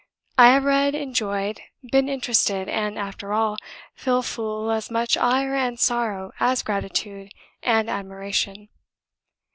I have read, enjoyed, been interested, and, after all, feel full as much ire and sorrow as gratitude and admiration.